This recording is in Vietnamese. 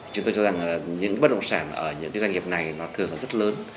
chúng tôi cho rằng những bất động sản ở những doanh nghiệp này thường rất lớn